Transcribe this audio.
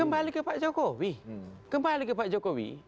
kembali ke pak jokowi kembali ke pak jokowi